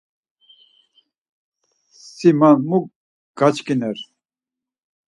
Si man mu gaçkiner.